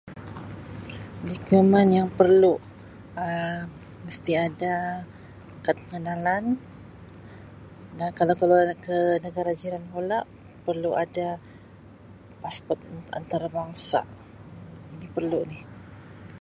Dokumen yang perlu Um mesti ada kad pengenalan dan kalau keluar ke negara jiran pula perlu ada pasport an-antarabangsa, ini perlu ni.